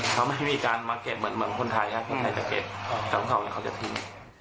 เขาไม่มีการมาเก็บเหมือนคนไทยถ้าใครจะเก็บสำหรับเขาเขาจะทิ้ง